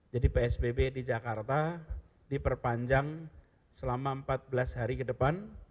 jadi psbb di jakarta diperpanjang selama empat belas hari ke depan